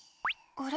あれ？